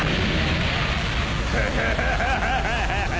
フハハハ！